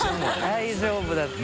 大丈夫だって。